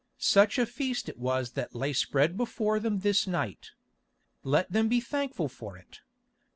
Such a feast it was that lay spread before them this night. Let them be thankful for it.